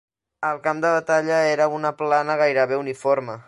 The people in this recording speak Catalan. El camp de batalla era una plana gairebé uniforme.